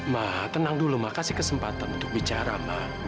ma tenang dulu ma kasih kesempatan untuk bicara ma